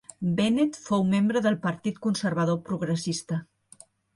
Bennett fou membre del Partit Conservador progressista.